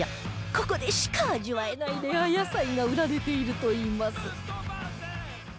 ここでしか味わえないレア野菜が売られているといいます